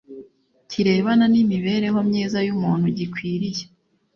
kirebana n’imibereho myiza y’umuntu gikwiriye